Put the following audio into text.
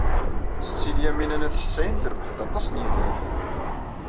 Setti Lyamina n At Ḥsayen terbeḥ-d aṭas n yidrimen.